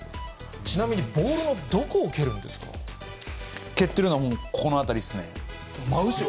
ちなみにボールのどこを蹴る蹴ってるのは、この辺りっす真後ろ。